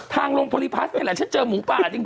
ทางลงพลิพัชมันเหมือนละถ้าเจอหมูปลาจริง